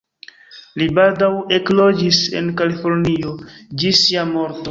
Li baldaŭ ekloĝis en Kalifornio ĝis sia morto.